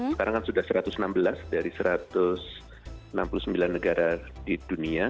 sekarang kan sudah satu ratus enam belas dari satu ratus enam puluh sembilan negara di dunia